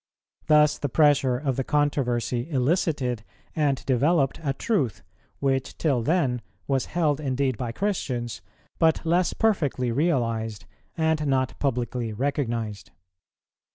Thus the pressure of the controversy elicited and developed a truth, which till then was held indeed by Christians, but less perfectly realized and not publicly recognized.